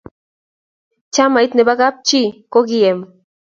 chamiet nebo kap chi kokiem